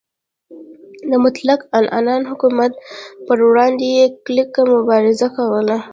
د مطلق العنان حکومت پروړاندې یې کلکه مبارزه کوله.